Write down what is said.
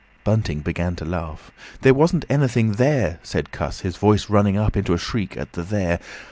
Bunting began to laugh. "There wasn't anything there!" said Cuss, his voice running up into a shriek at the "there."